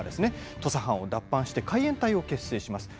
土佐藩を脱藩して海援隊を結成します。